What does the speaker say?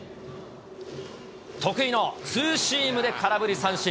得意のツーシームで空振り三振。